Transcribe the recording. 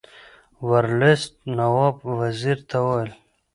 ورلسټ نواب وزیر ته وویل.